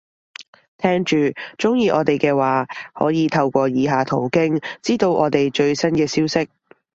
聽住，鍾意我哋嘅話，可以透過以下途徑，知道我哋最新嘅消息